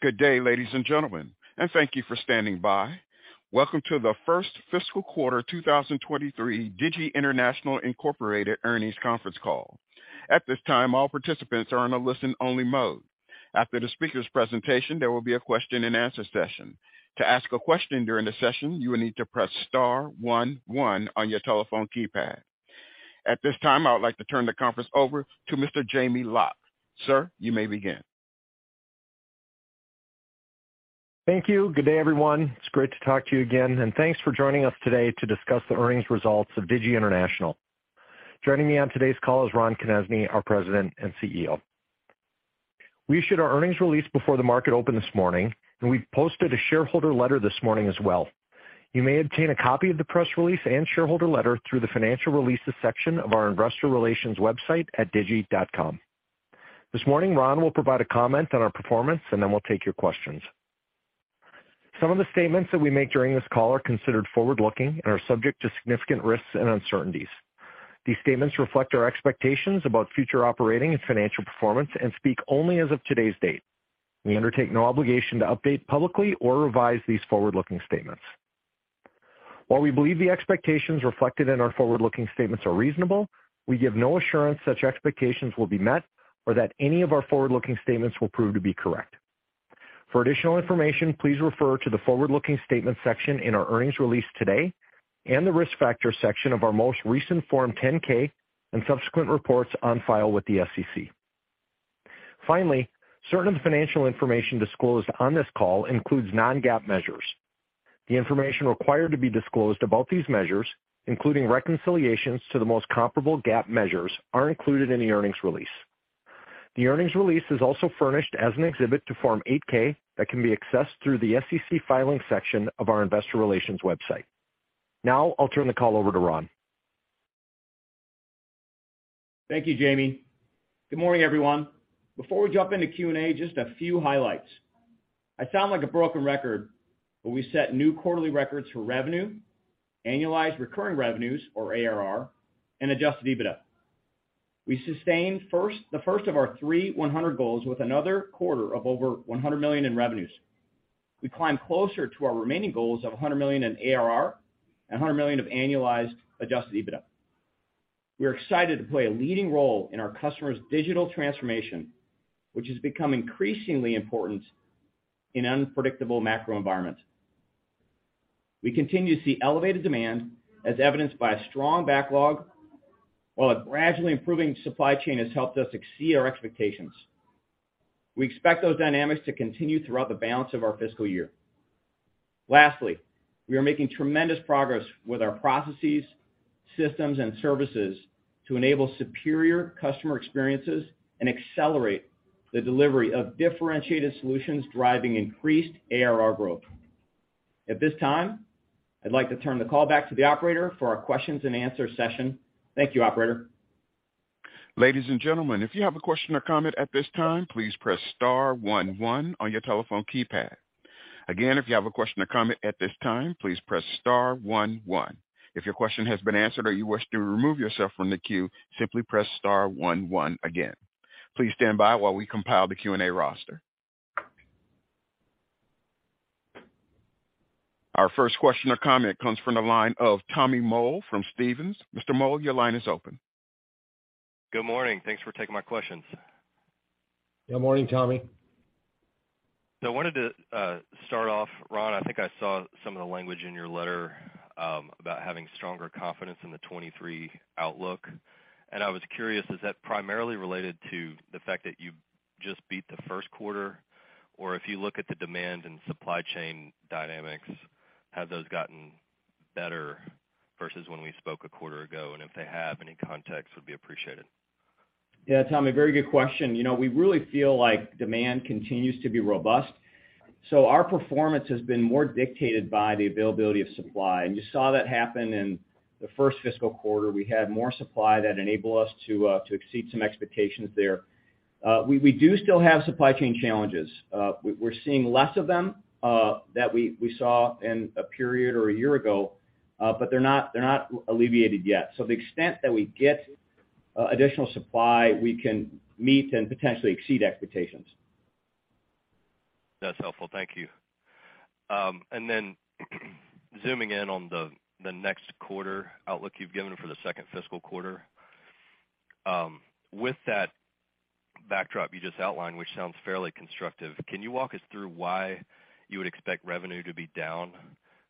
Good day, ladies and gentlemen, and thank you for standing by. Welcome to the First Fiscal Quarter 2023 Digi International Inc. Earnings Conference Call. At this time, all participants are in a listen-only mode. After the speaker's presentation, there will be a question-and-answer session. To ask a question during the session, you will need to press star 11 on your telephone keypad. At this time, I would like to turn the conference over to Mr. Jamie Loch. Sir, you may begin. Thank you. Good day, everyone. It's great to talk to you again. Thanks for joining us today to discuss the earnings results of Digi International. Joining me on today's call is Ron Konezny, our President and CEO. We issued our earnings release before the market opened this morning. We posted a shareholder letter this morning as well. You may obtain a copy of the press release and shareholder letter through the Financial Releases section of our investor relations website at digi.com. This morning, Ron will provide a comment on our performance. Then we'll take your questions. Some of the statements that we make during this call are considered forward-looking and are subject to significant risks and uncertainties. These statements reflect our expectations about future operating and financial performance and speak only as of today's date. We undertake no obligation to update publicly or revise these forward-looking statements. While we believe the expectations reflected in our forward-looking statements are reasonable, we give no assurance such expectations will be met or that any of our forward-looking statements will prove to be correct. For additional information, please refer to the Forward-Looking Statements section in our earnings release today and the Risk Factors section of our most recent Form 10-K and subsequent reports on file with the SEC. Finally, certain financial information disclosed on this call includes non-GAAP measures. The information required to be disclosed about these measures, including reconciliations to the most comparable GAAP measures, are included in the earnings release. The earnings release is also furnished as an exhibit to Form 8-K that can be accessed through the SEC Filings section of our investor relations website. Now, I'll turn the call over to Ron. Thank you, Jamie. Good morning, everyone. Before we jump into Q&A, just a few highlights. I sound like a broken record, but we set new quarterly records for revenue, annualized recurring revenues or ARR, and Adjusted EBITDA. We sustained the first of our three 100 goals with another quarter of over $100 million in revenues. We climbed closer to our remaining goals of $100 million in ARR and $100 million of annualized Adjusted EBITDA. We are excited to play a leading role in our customers' digital transformation, which has become increasingly important in unpredictable macro environments. We continue to see elevated demand as evidenced by a strong backlog, while a gradually improving supply chain has helped us exceed our expectations. We expect those dynamics to continue throughout the balance of our fiscal year. Lastly, we are making tremendous progress with our processes, systems, and services to enable superior customer experiences and accelerate the delivery of differentiated solutions, driving increased ARR growth. At this time, I'd like to turn the call back to the operator for our questions and answer session. Thank you, operator. Ladies and gentlemen, if you have a question or comment at this time, please press star one one on your telephone keypad. Again, if you have a question or comment at this time, please press star one one. If your question has been answered or you wish to remove yourself from the queue, simply press star one one again. Please stand by while we compile the Q&A roster. Our first question or comment comes from the line of Tommy Moll from Stephens. Mr. Moll, your line is open. Good morning. Thanks for taking my questions. Good morning, Tommy. I wanted to start off, Ron, I think I saw some of the language in your letter, about having stronger confidence in the 2023 outlook. I was curious, is that primarily related to the fact that you just beat the first quarter? If you look at the demand and supply chain dynamics, have those gotten better versus when we spoke a quarter ago? If they have, any context would be appreciated. Yeah. Tommy, very good question. You know, we really feel like demand continues to be robust. Our performance has been more dictated by the availability of supply. You saw that happen in the first fiscal quarter. We had more supply that enabled us to exceed some expectations there. We do still have supply chain challenges. We're seeing less of them that we saw in a period or a year ago. They're not alleviated yet. The extent that we get additional supply, we can meet and potentially exceed expectations. That's helpful. Thank you. Zooming in on the next quarter outlook you've given for the second fiscal quarter. With that backdrop you just outlined, which sounds fairly constructive, can you walk us through why you would expect revenue to be down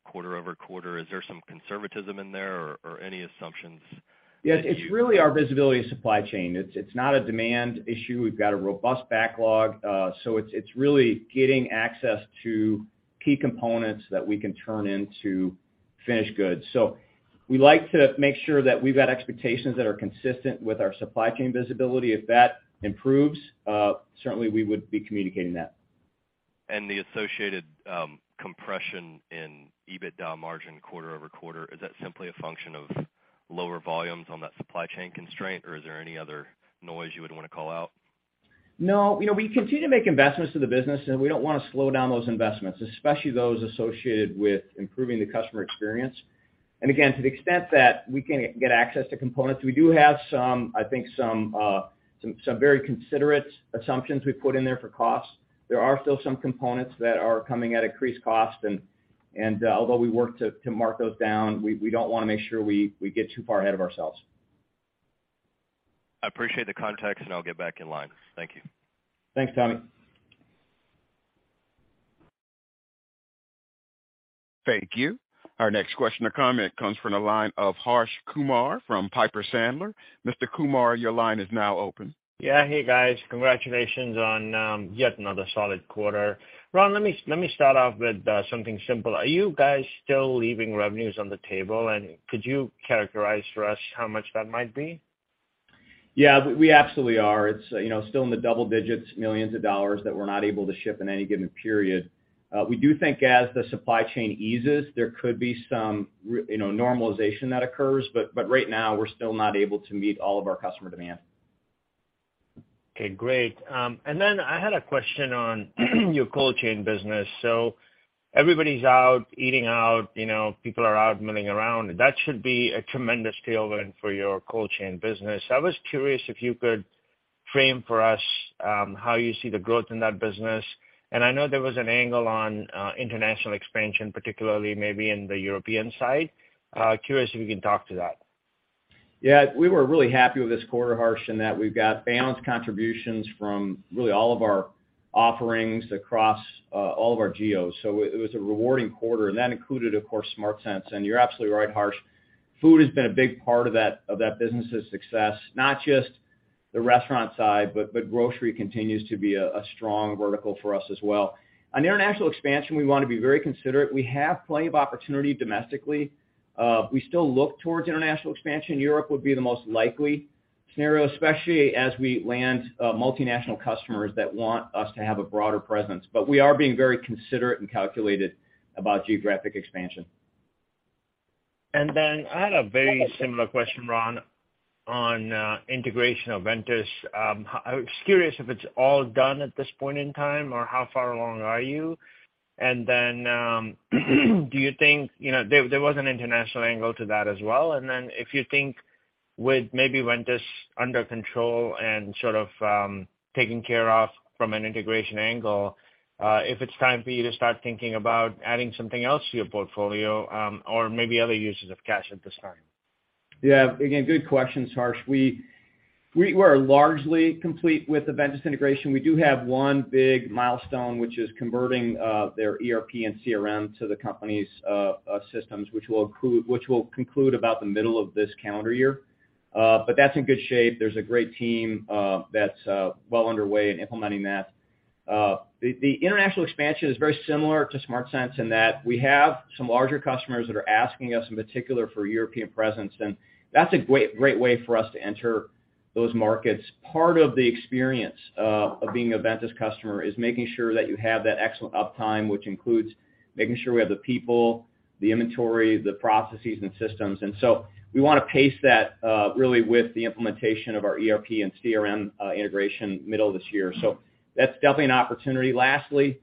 quarter-over-quarter? Is there some conservatism in there or any assumptions? Yes. It's really our visibility of supply chain. It's not a demand issue. We've got a robust backlog. It's really getting access to key components that we can turn into finished goods. We like to make sure that we've got expectations that are consistent with our supply chain visibility. If that improves, certainly we would be communicating that. The associated compression in EBITDA margin quarter-over-quarter, is that simply a function of lower volumes on that supply chain constraint? Or is there any other noise you would wanna call out? No. You know, we continue to make investments in the business, and we don't wanna slow down those investments, especially those associated with improving the customer experience. Again, to the extent that we can get access to components, we do have some, I think some very considerate assumptions we put in there for costs. There are still some components that are coming at increased cost and although we work to mark those down, we don't wanna make sure we get too far ahead of ourselves. I appreciate the context, and I'll get back in line. Thank you. Thanks, Tommy. Thank you. Our next question or comment comes from the line of Harsh Kumar from Piper Sandler. Mr. Kumar, your line is now open. Yeah. Hey, guys. Congratulations on yet another solid quarter. Ron, let me start off with something simple. Are you guys still leaving revenues on the table? Could you characterize for us how much that might be? Yeah, we absolutely are. It's, you know, still in the double digits, millions of dollars that we're not able to ship in any given period. We do think as the supply chain eases, there could be some, you know, normalization that occurs. But right now we're still not able to meet all of our customer demand. Okay, great. I had a question on your cold chain business. Everybody's out eating out, you know, people are out milling around. That should be a tremendous tailwind for your cold chain business. I was curious if you could frame for us, how you see the growth in that business. I know there was an angle on international expansion, particularly maybe in the European side. Curious if you can talk to that? Yeah. We were really happy with this quarter, Harsh, in that we've got balanced contributions from really all of our offerings across all of our geos. It was a rewarding quarter, and that included, of course, SmartSense. You're absolutely right, Harsh. Food has been a big part of that, of that business' success, not just the restaurant side, but grocery continues to be a strong vertical for us as well. International expansion, we wanna be very considerate. We have plenty of opportunity domestically. We still look towards international expansion. Europe would be the most likely scenario, especially as we land multinational customers that want us to have a broader presence. We are being very considerate and calculated about geographic expansion. I had a very similar question, Ron, on integration of Ventus. I was curious if it's all done at this point in time, or how far along are you? Do you think, you know, there was an international angle to that as well. If you think with maybe Ventus under control and sort of taken care of from an integration angle, if it's time for you to start thinking about adding something else to your portfolio, or maybe other uses of cash at this time. Yeah. Again, good questions, Harsh. We are largely complete with the Ventus integration. We do have one big milestone, which is converting their ERP and CRM to the company's systems, which will conclude about the middle of this calendar year. But that's in good shape. There's a great team that's well underway in implementing that. The international expansion is very similar to SmartSense in that we have some larger customers that are asking us in particular for European presence, and that's a great way for us to enter those markets. Part of the experience of being a Ventus customer is making sure that you have that excellent uptime, which includes making sure we have the people, the inventory, the processes and systems. We wanna pace that really with the implementation of our ERP and CRM integration middle of this year. That's definitely an opportunity. Lastly,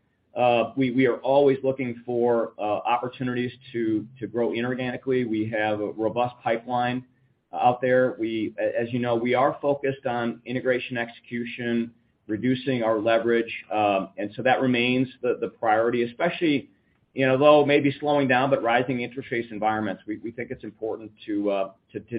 we are always looking for opportunities to grow inorganically. We have a robust pipeline out there. As you know, we are focused on integration execution, reducing our leverage, that remains the priority, especially, you know, though it may be slowing down but rising interest rates environments, we think it's important to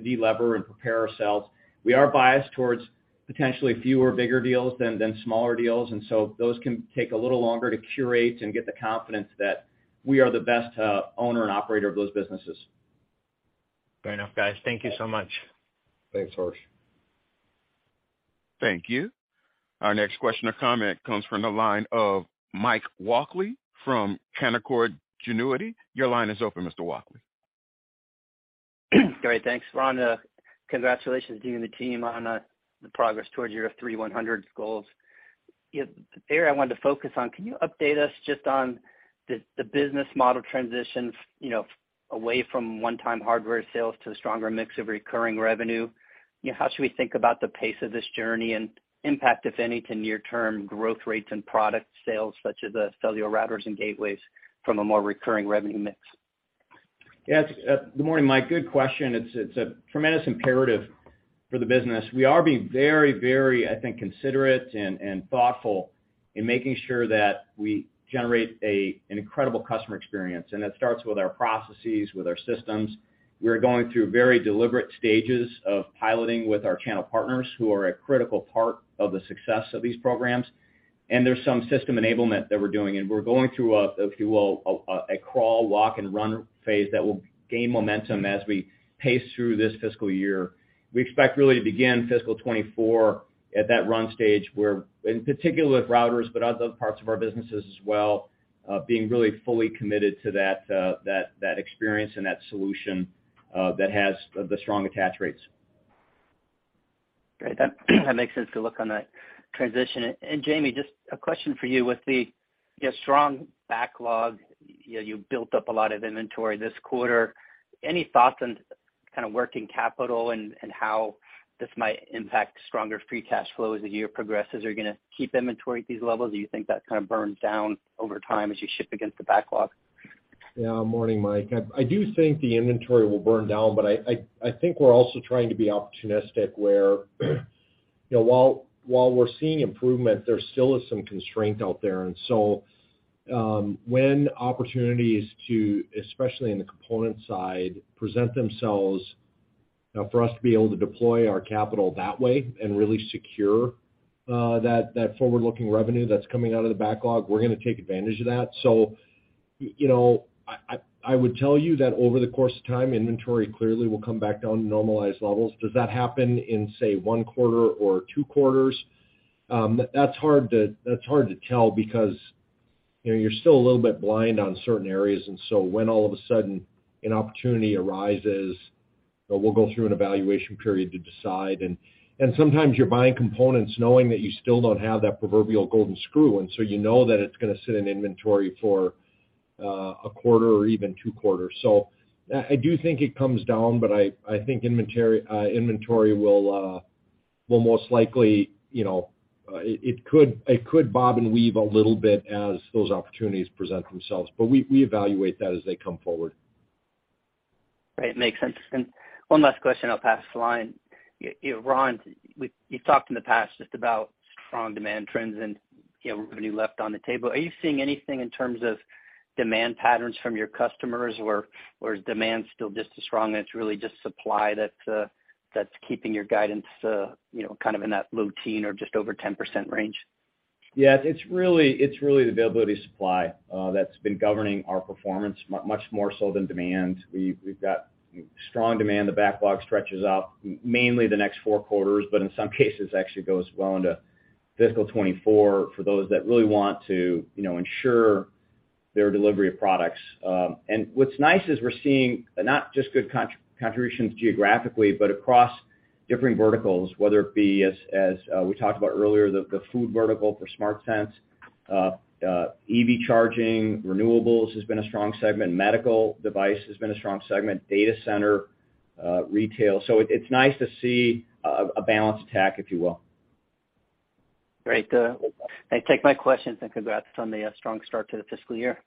de-lever and prepare ourselves. We are biased towards potentially fewer bigger deals than smaller deals, those can take a little longer to curate and get the confidence that we are the best owner and operator of those businesses. Fair enough, guys. Thank you so much. Thanks, Harsh. Thank you. Our next question or comment comes from the line of Mike Walkley from Canaccord Genuity. Your line is open, Mr. Walkley. Great. Thanks, Ron. congratulations to you and the team on the progress towards your three 100 goals. The area I wanted to focus on, can you update us just on the business model transition, you know, away from one-time hardware sales to a stronger mix of recurring revenue? You know, how should we think about the pace of this journey and impact, if any, to near-term growth rates and product sales, such as the cellular routers and gateways from a more recurring revenue mix? Yes. Good morning, Mike. Good question. It's a tremendous imperative for the business. We are being very, I think, considerate and thoughtful in making sure that we generate an incredible customer experience. It starts with our processes, with our systems. We are going through very deliberate stages of piloting with our channel partners who are a critical part of the success of these programs. There's some system enablement that we're doing, and we're going through a, if you will, a crawl, walk, and run phase that will gain momentum as we pace through this fiscal year. We expect really to begin fiscal 2024 at that run stage, where in particular with routers, but other parts of our businesses as well, being really fully committed to that experience and that solution that has the strong attach rates. Great. That makes sense to look on that transition. Jamie, just a question for you. With the, I guess, strong backlog, you know, you built up a lot of inventory this quarter. Any thoughts on Kind of working capital and how this might impact stronger free cash flow as the year progresses. Are you gonna keep inventory at these levels? Do you think that kind of burns down over time as you ship against the backlog? Yeah. Morning, Mike. I do think the inventory will burn down, I think we're also trying to be opportunistic where, you know, while we're seeing improvement, there still is some constraint out there. When opportunities to, especially in the component side, present themselves, for us to be able to deploy our capital that way and really secure that forward-looking revenue that's coming out of the backlog, we're gonna take advantage of that. You know, I would tell you that over the course of time, inventory clearly will come back down to normalized levels. Does that happen in, say, one quarter or two quarters? That's hard to tell because, you know, you're still a little bit blind on certain areas. When all of a sudden an opportunity arises, we'll go through an evaluation period to decide. Sometimes you're buying components knowing that you still don't have that proverbial golden screw, and so you know that it's gonna sit in inventory for a quarter or even two quarters. I do think it comes down, but I think inventory will most likely, you know, it could bob and weave a little bit as those opportunities present themselves. We evaluate that as they come forward. Right. Makes sense. One last question, I'll pass to the line. You know, Ron, you've talked in the past just about strong demand trends and, you know, revenue left on the table. Are you seeing anything in terms of demand patterns from your customers, or is demand still just as strong and it's really just supply that's keeping your guidance, you know, kind of in that low teen or just over 10% range? Yeah. It's really the availability of supply that's been governing our performance much more so than demand. We've got strong demand. The backlog stretches out mainly the next four quarters, but in some cases actually goes well into fiscal 2024 for those that really want to, you know, ensure their delivery of products. And what's nice is we're seeing not just good contributions geographically, but across different verticals, whether it be, as we talked about earlier, the food vertical for SmartSense. EV charging, renewables has been a strong segment. Medical device has been a strong segment, data center, retail. So it's nice to see a balanced attack, if you will. Great. That takes my questions. Congrats on the strong start to the fiscal year.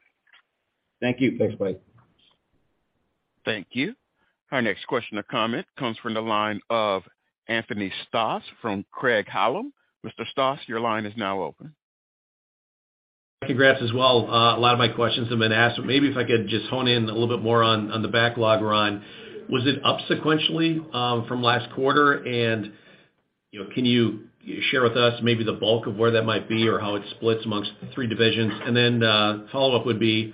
Thank you. Thanks, Mike. Thank you. Our next question or comment comes from the line of Anthony Stoss from Craig-Hallum. Mr. Stoss, your line is now open. Congrats as well. A lot of my questions have been asked, but maybe if I could just hone in a little bit more on the backlog, Ron. Was it up sequentially from last quarter? You know, can you share with us maybe the bulk of where that might be or how it splits amongst the three divisions? The follow-up would be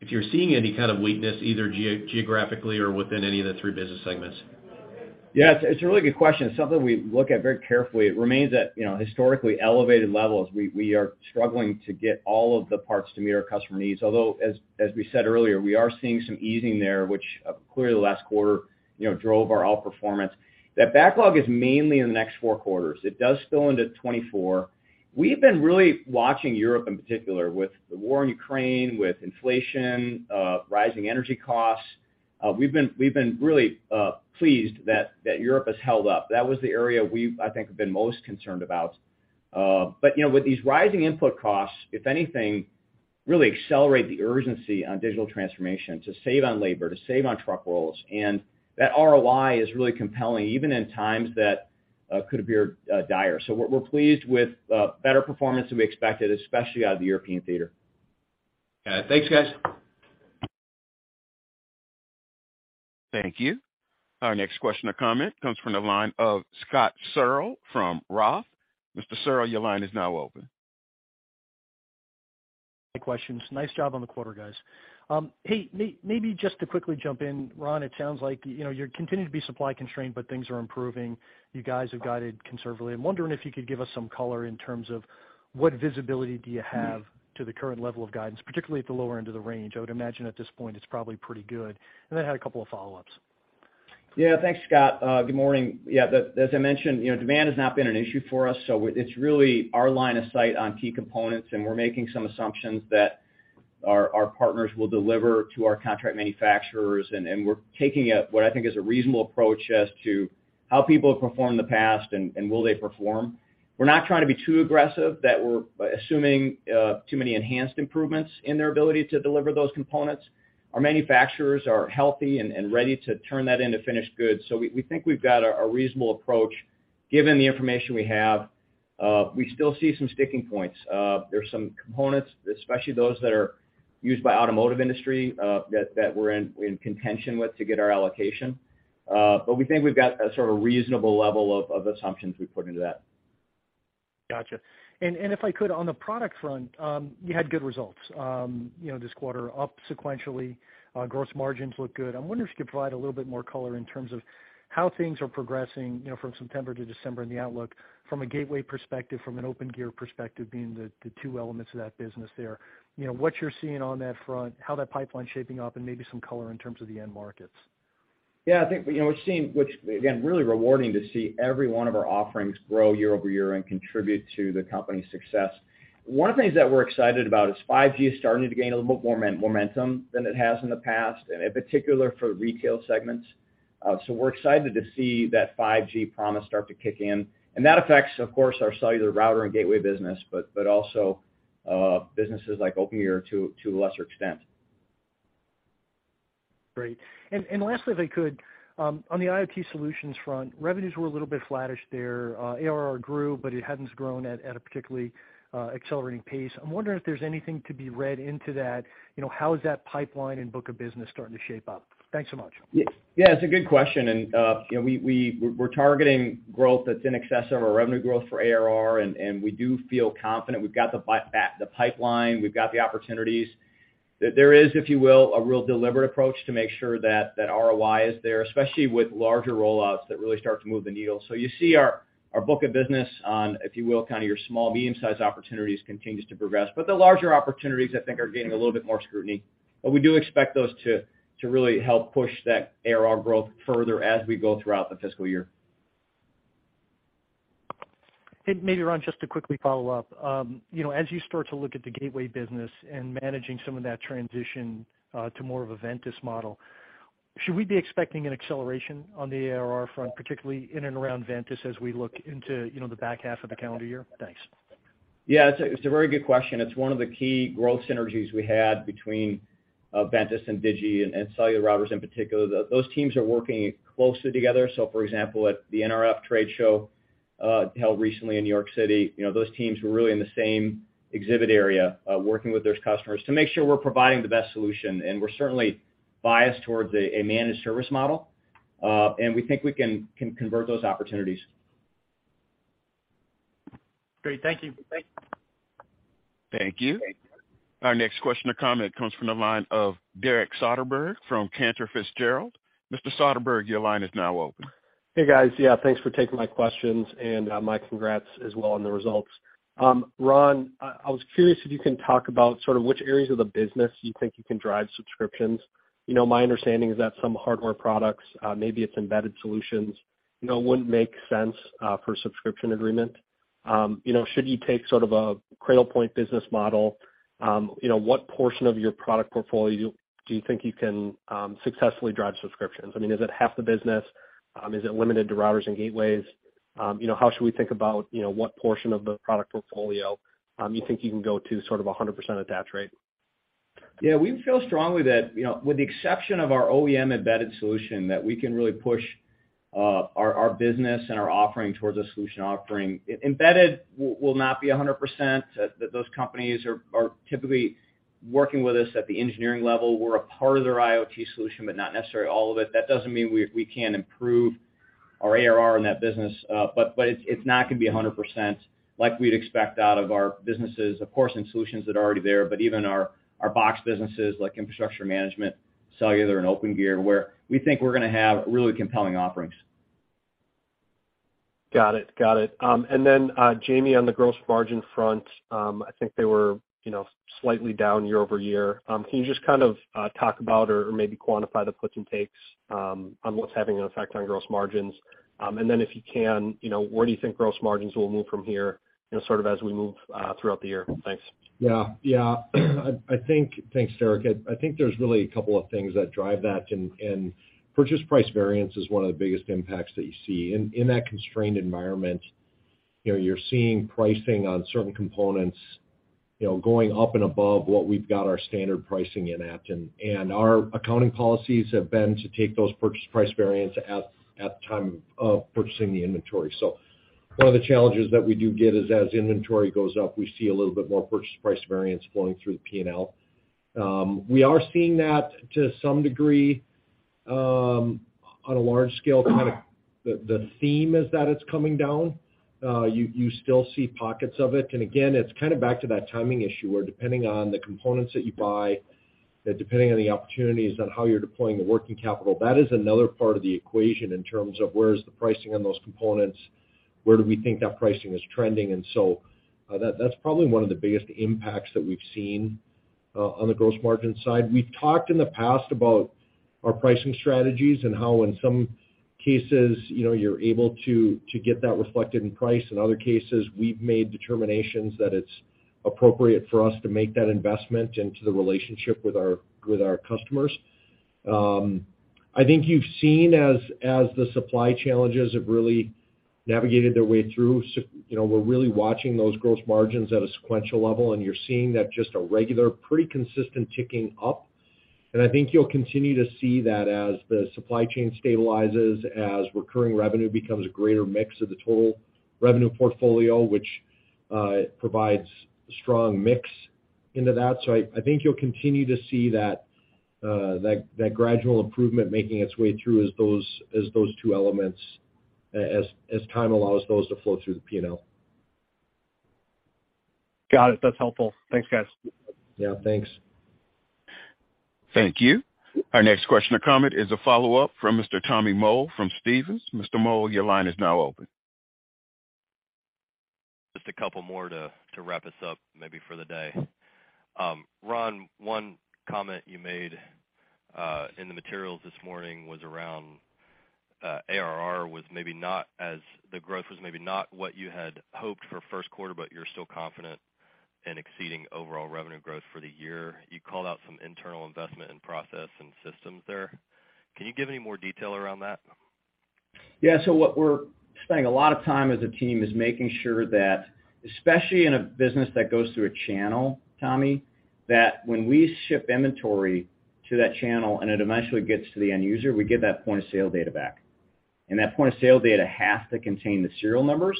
if you're seeing any kind of weakness, either geographically or within any of the three business segments. Yeah. It's a really good question. It's something we look at very carefully. It remains at, you know, historically elevated levels. We are struggling to get all of the parts to meet our customer needs, although as we said earlier, we are seeing some easing there, which clearly the last quarter, you know, drove our outperformance. That backlog is mainly in the next four quarters. It does spill into 2024. We've been really watching Europe in particular with the war in Ukraine, with inflation, rising energy costs. We've been really pleased that Europe has held up. That was the area we've, I think, have been most concerned about. You know, with these rising input costs, if anything, really accelerate the urgency on digital transformation to save on labor, to save on truck rolls, and that ROI is really compelling even in times that could appear dire. We're pleased with better performance than we expected, especially out of the European theater. Got it. Thanks, guys. Thank you. Our next question or comment comes from the line of Scott Searle from Roth. Mr. Searle, your line is now open. Questions. Nice job on the quarter, guys. Hey, maybe just to quickly jump in, Ron, it sounds like, you know, you're continuing to be supply constrained, but things are improving. You guys have guided conservatively. I'm wondering if you could give us some color in terms of what visibility do you have to the current level of guidance, particularly at the lower end of the range. I would imagine at this point it's probably pretty good. I had a couple of follow-ups. Thanks, Scott. Good morning. As I mentioned, you know, demand has not been an issue for us, so it's really our line of sight on key components, and we're making some assumptions that our partners will deliver to our contract manufacturers. We're taking a, what I think is a reasonable approach as to how people have performed in the past and will they perform. We're not trying to be too aggressive that we're assuming too many enhanced improvements in their ability to deliver those components. Our manufacturers are healthy and ready to turn that into finished goods. We, we think we've got a reasonable approach given the information we have. We still see some sticking points. There's some components, especially those that are used by automotive industry, that we're in contention with to get our allocation. We think we've got a sort of reasonable level of assumptions we put into that. Gotcha. If I could, on the product front, you had good results, you know, this quarter, up sequentially. Gross margins look good. I'm wondering if you could provide a little bit more color in terms of how things are progressing, you know, from September to December in the outlook from a gateway perspective, from an Opengear perspective, being the two elements of that business there. You know, what you're seeing on that front, how that pipeline's shaping up, and maybe some color in terms of the end markets? Yeah, I think, you know, we're seeing, which again, really rewarding to see every one of our offerings grow year-over-year and contribute to the company's success. One of the things that we're excited about is 5G is starting to gain a little bit more momentum than it has in the past, and in particular for retail segments. We're excited to see that 5G promise start to kick in. That affects, of course, our cellular router and gateway business, but also businesses like Opengear to a lesser extent. Great. Lastly, if I could, on the IoT solutions front, revenues were a little bit flattish there. ARR grew, but it hadn't grown at a particularly accelerating pace. I'm wondering if there's anything to be read into that. You know, how is that pipeline and book of business starting to shape up? Thanks so much. Yeah, it's a good question. you know, we're targeting growth that's in excess of our revenue growth for ARR, and we do feel confident. We've got the pipeline, we've got the opportunities. There is, if you will, a real deliberate approach to make sure that that ROI is there, especially with larger rollouts that really start to move the needle. You see our book of business on, if you will, kind of your small, medium-sized opportunities continues to progress. The larger opportunities I think are gaining a little bit more scrutiny. We do expect those to really help push that ARR growth further as we go throughout the fiscal year. Maybe, Ron, just to quickly follow up. You know, as you start to look at the gateway business and managing some of that transition, to more of a Ventus model, should we be expecting an acceleration on the ARR front, particularly in and around Ventus as we look into, you know, the back half of the calendar year? Thanks. Yeah, it's a very good question. It's one of the key growth synergies we had between Ventus and Digi and cellular routers in particular. Those teams are working closely together. For example, at the NRF trade show, held recently in New York City, you know, those teams were really in the same exhibit area, working with those customers to make sure we're providing the best solution. We're certainly biased towards a managed service model, and we think we can convert those opportunities. Great. Thank you. Thanks. Thank you. Our next question or comment comes from the line of Derek Soderberg from Cantor Fitzgerald. Mr. Soderberg, your line is now open. Hey, guys. Yeah, thanks for taking my questions and my congrats as well on the results. Ron, I was curious if you can talk about sort of which areas of the business you think you can drive subscriptions. You know, my understanding is that some hardware products, maybe it's embedded solutions, you know, wouldn't make sense for subscription agreement. You know, should you take sort of a Cradlepoint business model, you know, what portion of your product portfolio do you think you can successfully drive subscriptions? I mean, is it half the business? Is it limited to routers and gateways? You know, how should we think about, you know, what portion of the product portfolio you think you can go to sort of a 100% attach rate? Yeah. We feel strongly that, you know, with the exception of our OEM-embedded solution, that we can really push our business and our offering towards a solution offering. Embedded will not be 100%, that those companies are typically working with us at the engineering level. We're a part of their IoT solution, not necessarily all of it. That doesn't mean we can't improve our ARR in that business. It's not gonna be 100% like we'd expect out of our businesses, of course, in solutions that are already there, even our box businesses like infrastructure management, cellular and Opengear, where we think we're gonna have really compelling offerings. Got it. Got it. Jamie, on the gross margin front, I think they were, you know, slightly down year-over-year. Can you just kind of talk about or maybe quantify the puts and takes on what's having an effect on gross margins? If you can, you know, where do you think gross margins will move from here, you know, sort of as we move throughout the year? Thanks. Yeah. Yeah. I think Thanks, Derek. I think there's really a couple of things that drive that and purchase price variance is one of the biggest impacts that you see. In that constrained environment, you know, you're seeing pricing on certain components, you know, going up and above what we've got our standard pricing in at. Our accounting policies have been to take those purchase price variance at the time of purchasing the inventory. One of the challenges that we do get is as inventory goes up, we see a little bit more purchase price variance flowing through the P&L. We are seeing that to some degree, on a large scale, kind of the theme is that it's coming down. You still see pockets of it. Again, it's kind of back to that timing issue where depending on the components that you buy, depending on the opportunities on how you're deploying the working capital, that is another part of the equation in terms of where's the pricing on those components? Where do we think that pricing is trending? That's probably one of the biggest impacts that we've seen on the gross margin side. We've talked in the past about our pricing strategies and how in some cases, you know, you're able to get that reflected in price. In other cases, we've made determinations that it's appropriate for us to make that investment into the relationship with our customers. I think you've seen as the supply challenges have really navigated their way through, you know, we're really watching those gross margins at a sequential level, and you're seeing that just a regular, pretty consistent ticking up. I think you'll continue to see that as the supply chain stabilizes, as recurring revenue becomes a greater mix of the total revenue portfolio, which provides strong mix into that. I think you'll continue to see that gradual improvement making its way through as those two elements, as time allows those to flow through the P&L. Got it. That's helpful. Thanks, guys. Yeah, thanks. Thank you. Our next question or comment is a follow-up from Mr. Tommy Moll from Stephens. Mr. Moll, your line is now open. Just a couple more to wrap us up maybe for the day. Ron, one comment you made in the materials this morning was around the growth was maybe not what you had hoped for first quarter, but you're still confident Exceeding overall revenue growth for the year. You called out some internal investment in process and systems there. Can you give any more detail around that? What we're spending a lot of time as a team is making sure that, especially in a business that goes through a channel, Tommy, that when we ship inventory to that channel and it eventually gets to the end user, we get that point-of-sale data back. That point-of-sale data has to contain the serial numbers,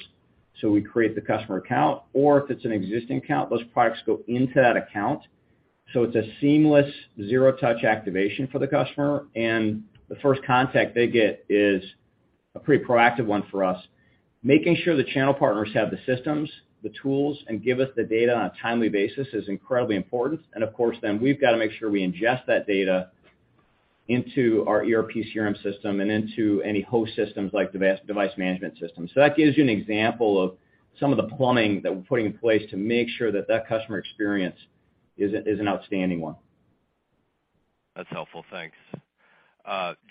so we create the customer account, or if it's an existing account, those products go into that account, so it's a seamless zero-touch activation for the customer. The first contact they get is a pretty proactive one for us. Making sure the channel partners have the systems, the tools, and give us the data on a timely basis is incredibly important. Of course, then we've got to make sure we ingest that data into our ERP and CRM system and into any host systems like device management systems. That gives you an example of some of the plumbing that we're putting in place to make sure that that customer experience is an outstanding one. That's helpful. Thanks.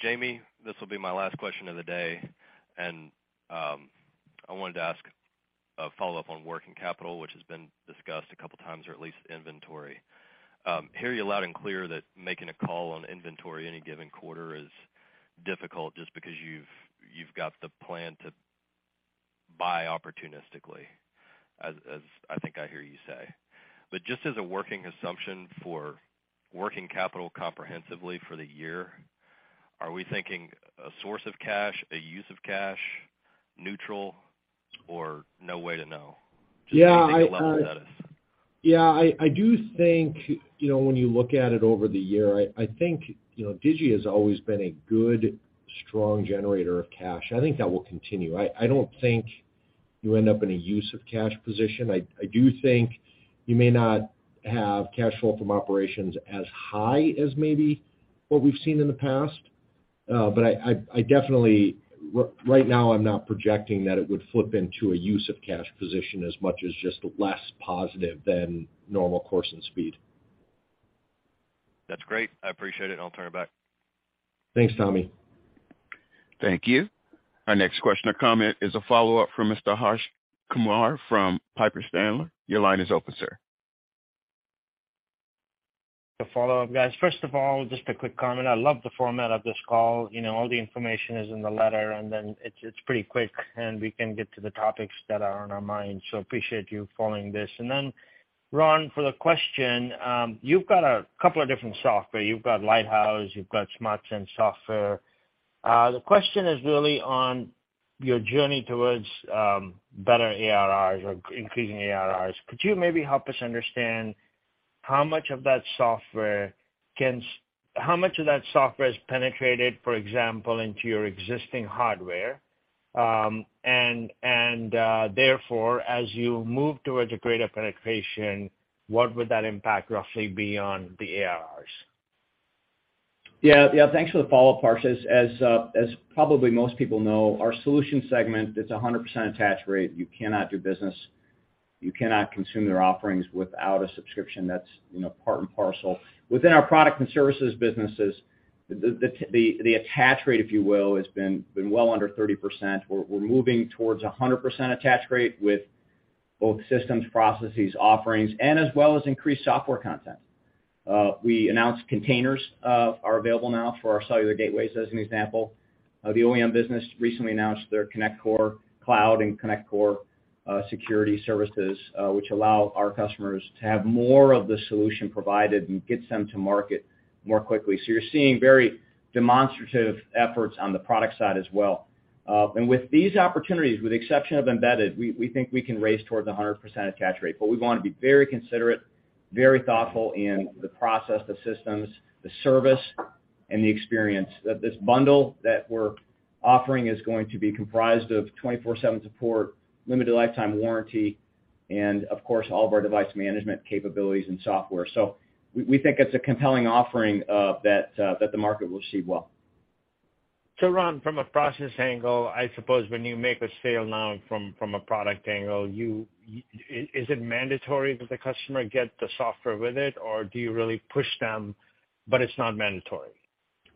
Jamie, this will be my last question of the day, and I wanted to ask a follow-up on working capital, which has been discussed a couple times or at least inventory. Hear you loud and clear that making a call on inventory any given quarter is difficult just because you've got the plan to buy opportunistically, as I think I hear you say. Just as a working assumption for working capital comprehensively for the year, are we thinking a source of cash, a use of cash, neutral, or no way to know? Just trying to get a level to that is. Yeah. I do think, you know, when you look at it over the year, I think, you know, Digi has always been a good, strong generator of cash. I think that will continue. I don't think you end up in a use of cash position. I do think you may not have cash flow from operations as high as maybe what we've seen in the past. I definitely right now, I'm not projecting that it would flip into a use of cash position as much as just less positive than normal course and speed. That's great. I appreciate it, and I'll turn it back. Thanks, Tommy. Thank you. Our next question or comment is a follow-up from Mr. Harsh Kumar from Piper Sandler. Your line is open, sir. The follow-up, guys. First of all, just a quick comment. I love the format of this call. You know, all the information is in the letter, and then it's pretty quick, and we can get to the topics that are on our minds, so appreciate you following this. Ron, for the question, you've got a couple of different software. You've got Lighthouse, you've got SmartSense Software. The question is really on your journey towards better ARRs or increasing ARRs. Could you maybe help us understand how much of that software has penetrated, for example, into your existing hardware? And, therefore, as you move towards a greater penetration, what would that impact roughly be on the ARRs? Yeah, yeah. Thanks for the follow-up, Harsh. As probably most people know, our solutions segment, it's 100% attach rate. You cannot do business, you cannot consume their offerings without a subscription. That's, you know, part and parcel. Within our product and services businesses, the attach rate, if you will, has been well under 30%. We're moving towards a 100% attach rate with both systems, processes, offerings, and as well as increased software content. We announced Containers are available now for our cellular gateways, as an example. The OEM business recently announced their ConnectCore Cloud and ConnectCore security services, which allow our customers to have more of the solution provided and gets them to market more quickly. You're seeing very demonstrative efforts on the product side as well. With these opportunities, with the exception of embedded, we think we can race towards the 100% attach rate. We wanna be very considerate, very thoughtful in the process, the systems, the service, and the experience. That this bundle that we're offering is going to be comprised of 24/7 support, limited lifetime warranty, and of course, all of our device management capabilities and software. We think it's a compelling offering that the market will see well. Ron, from a process angle, I suppose when you make a sale now from a product angle, Is it mandatory that the customer get the software with it? Or do you really push them, but it's not mandatory?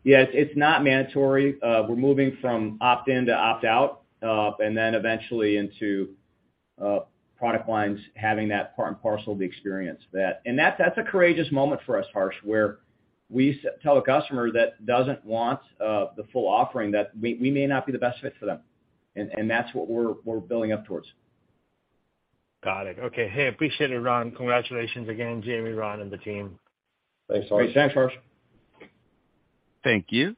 Yes, it's not mandatory. We're moving from opt-in to opt-out, eventually into product lines having that part and parcel of the experience. That's a courageous moment for us, Harsh, where we tell a customer that doesn't want the full offering that we may not be the best fit for them. That's what we're building up towards. Got it. Okay. Hey, appreciate it, Ron. Congratulations again, Jamie, Ron, and the team. Thanks, Harsh. Thank you.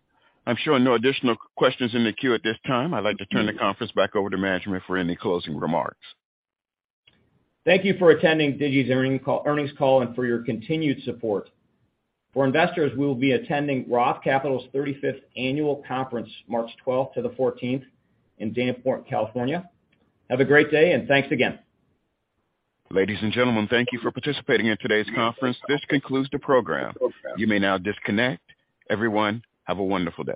I'm showing no additional questions in the queue at this time. I'd like to turn the conference back over to management for any closing remarks. Thank you for attending Digi's earnings call and for your continued support. For investors, we'll be attending Roth Capital's 35th annual conference March 12th to the 14th in Dana Point, California. Have a great day, thanks again. Ladies and gentlemen, thank you for participating in today's conference. This concludes the program. You may now disconnect. Everyone, have a wonderful day.